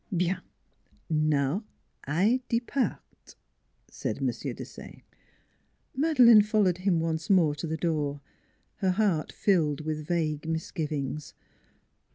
" Bienf Now I depart," said M. Desaye. Madeleine followed him once more to the door. Her heart filled with vague misgivings.